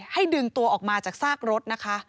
ดึงตัวออกมาจากซากรถนะคะ